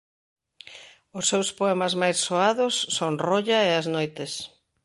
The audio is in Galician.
Os seus poemas máis soados son "Rolla e as noites".